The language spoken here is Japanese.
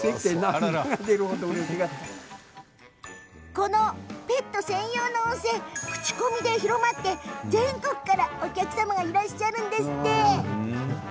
このペット専用の温泉口コミで広まって全国から、お客様がいらっしゃいます。